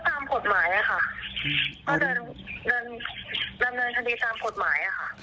ก็ตามผลหมายค่ะก็จะดำเนินคดีตามผลหมายค่ะ